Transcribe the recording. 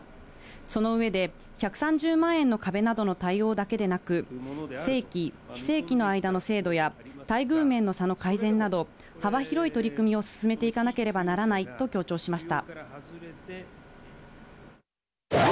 その上で、１３０万円の壁などの対応だけでなく、正規、非正規の間の制度や、待遇面の差の改善など、幅広い取り組みを進めていかなければならないと強調しました。